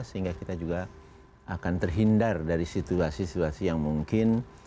sehingga kita juga akan terhindar dari situasi situasi yang mungkin